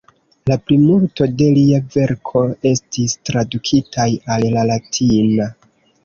La plimulto de lia verko estis tradukitaj al la latina.